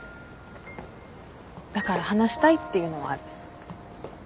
だから話したいっていうのはある。